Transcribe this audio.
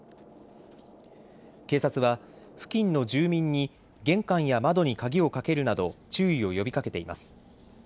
警察は付近の住民に玄関や窓に鍵をかけるなど注意を呼びかけています。